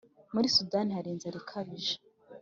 muri sudani ahari inzara ikabije